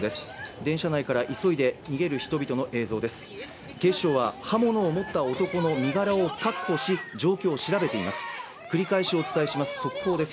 電車内から急いで逃げる人々の映像です。